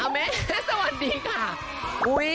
อ๋อแม่แนะสวัสดีค่ะ